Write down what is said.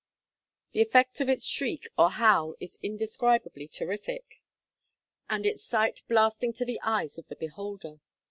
The effect of its shriek or howl is indescribably terrific, and its sight blasting to the eyes of the beholder.